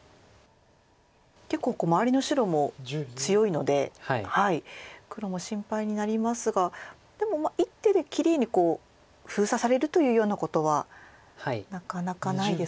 結構周りの白も強いので黒も心配になりますがでも一手できれいに封鎖されるというようなことはなかなかないですか。